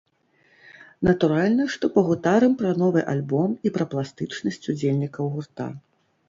Натуральна, што пагутарым пра новы альбом і пра пластычнасць удзельнікаў гурта.